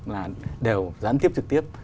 là đều gián tiếp trực tiếp